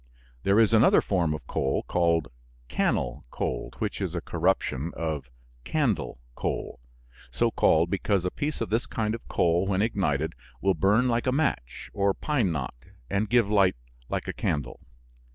There is another form of coal called cannel coal, which is a corruption of "candle coal," so called because a piece of this kind of coal when ignited will burn like a match or pine knot and give light like a candle.